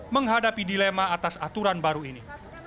menghadapi dilema atas aturan baru ini